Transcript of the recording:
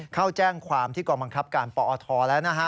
เข้าแจ้งความที่กองบังคับการปอทแล้วนะฮะ